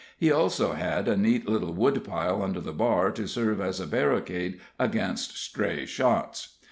He also had a neat little woodpile under the bar to serve as a barricade against stray shots.